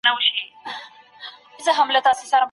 د هغه څېړني لومړۍ موخه تایید کړه.